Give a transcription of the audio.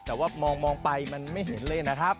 แต่ว่ามองไปมันไม่เห็นเลยนะครับ